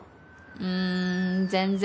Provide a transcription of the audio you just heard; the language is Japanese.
うん全然。